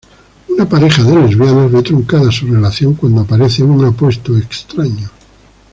Una pareja de lesbianas ve truncada su relación cuando aparece un apuesto extraño.